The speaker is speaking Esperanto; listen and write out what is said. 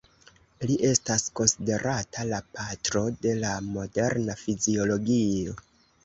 Li estas konsiderata la patro de la moderna fiziologio.